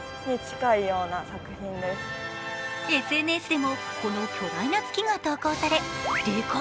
ＳＮＳでもこの巨大な月が投稿されでか！